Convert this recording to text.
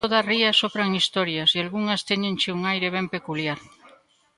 En toda ría sopran historias, e algunhas téñenche un aire ben peculiar.